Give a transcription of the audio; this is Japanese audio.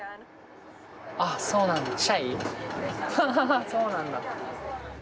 ハハハそうなんだ。